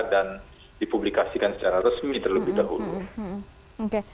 dan dipublikasikan secara resmi terlebih dahulu